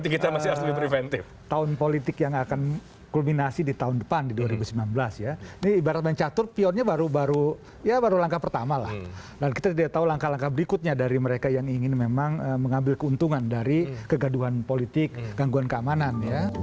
kita tidak tahu langkah langkah pertama dan kita tidak tahu langkah langkah berikutnya dari mereka yang ingin memang mengambil keuntungan dari kegaduhan politik gangguan keamanan